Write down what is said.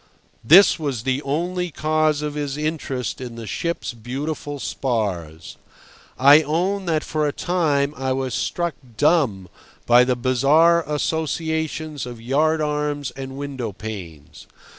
This was the only cause of his interest in the ship's beautiful spars. I own that for a time I was struck dumb by the bizarre associations of yard arms and window panes.